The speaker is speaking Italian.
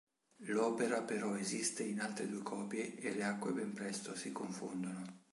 L'opera però esiste in altre due copie e le acque ben presto si confondono.